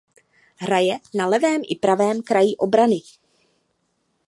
Hraje na levém i pravém kraji obrany.